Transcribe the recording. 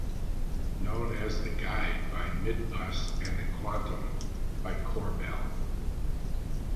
Known as the Guide by Midbus and the Quantam by Corbeil.